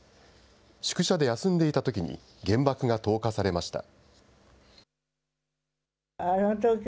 宿舎で休んでいたときに、原爆が投下されました。